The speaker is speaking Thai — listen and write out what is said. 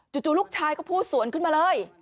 ลูกชายก็พูดสวนขึ้นมาเลย